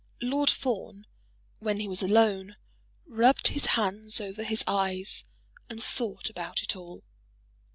Lord Fawn, when he was alone, rubbed his hands over his eyes and thought about it all.